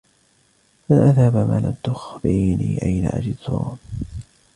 لن أذهب ما لم تخبريني أين أجد توم.